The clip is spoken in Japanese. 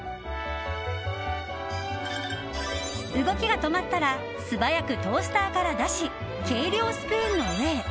動きが止まったら素早くトースターから出し計量スプーンの上へ。